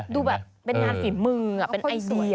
ดูแบบเป็นงานฝีมือเป็นไอเดีย